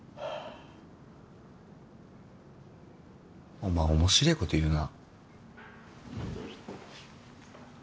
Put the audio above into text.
お前面白えこと言うな。